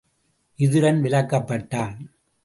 விதுரன் விலக்கப் பட்டான்.